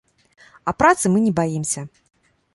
А працы мы не баімся.